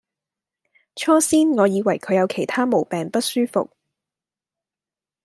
初先我以為她有其他毛病不舒服